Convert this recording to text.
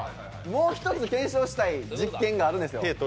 もう１つ検証したい実験があるんです。